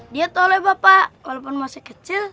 dia tole bapak walaupun masih kecil